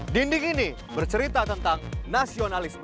dinding ini bercerita tentang nasionalisme